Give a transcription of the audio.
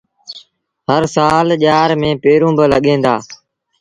هر سآل ڄآر ميݩ پيٚنرون با لڳيٚن دآ۔